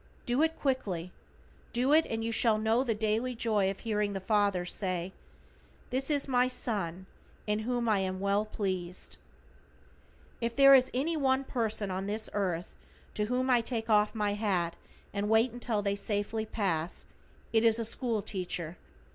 Do it quickly. Do it, and you shall know daily the joy of hearing the Father say: "This is My Son in whom I am well pleased." If there is any one person on this earth to whom I take off my hat and wait until they safely pass, it is a school teacher.